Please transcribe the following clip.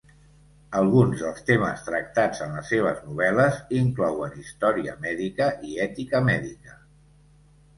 Alguns dels temes tractats en les seves novel·les inclouen història mèdica i ètica mèdica.